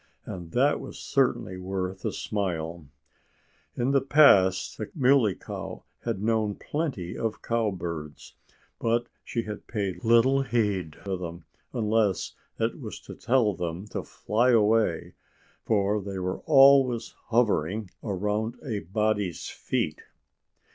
And that was certainly worth a smile. In the past the Muley Cow had known plenty of cowbirds. But she had paid little heed to them, unless it was to tell them to fly away, for they were always hovering around a body's feet.